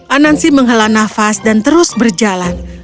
anansi menghala nafas dan terus berjalan